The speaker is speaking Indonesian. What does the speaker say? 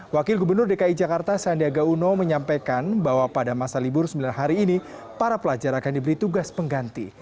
wakil gubernur dki jakarta sandiaga uno menyampaikan bahwa pada masa libur sembilan hari ini para pelajar akan diberi tugas pengganti